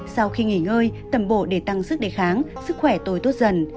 sau khi nghỉ ngơi tầm bộ để tăng sức đề kháng sức khỏe tôi tốt dần